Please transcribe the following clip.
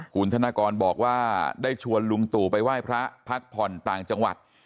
คุณธนกรบอกว่าได้ชวนลุงตู่ไปไหว้พระพักผ่อนต่างจังหวัด